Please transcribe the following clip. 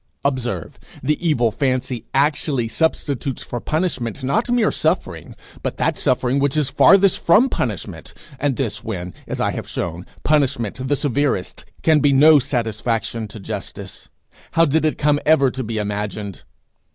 Observe: the evil fancy actually substitutes for punishment not mere suffering, but that suffering which is farthest from punishment; and this when, as I have shown, punishment, the severest, can be no satisfaction to justice! How did it come ever to be imagined?